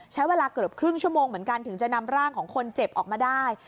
ใช้เวลาเกือบครึ่งชั่วโมงเหมือนกันถึงจะนำร่างของคนเจ็บออกมาได้